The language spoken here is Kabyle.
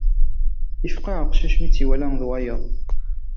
Yefqeɛ uqcic mi tt-iwala d wayeḍ.